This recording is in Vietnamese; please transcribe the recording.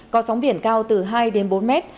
có sóng biển cao từ hai đến bốn mét